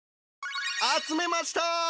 集めました！